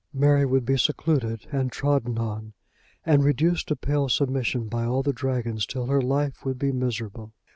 Mary would be secluded and trodden on, and reduced to pale submission by all the dragons till her life would be miserable.